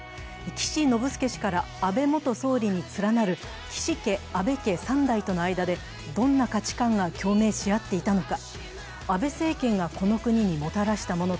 岸信介氏から安倍元総理に連なる岸家・安倍家３代との間でどんな価値観が共鳴し合っていたのか。